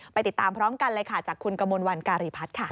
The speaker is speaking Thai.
ติดตามพร้อมกันเลยค่ะจากคุณกมลวันการีพัฒน์ค่ะ